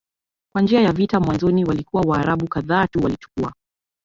kwa njia ya vita Mwanzoni walikuwa Waarabu kadhaa tu walichukua